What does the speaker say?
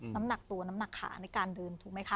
น้ำหนักตัวน้ำหนักขาในการเดินถูกไหมคะ